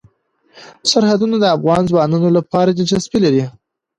سرحدونه د افغان ځوانانو لپاره دلچسپي لري.